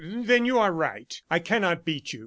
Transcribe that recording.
... Then you are right; I cannot beat you.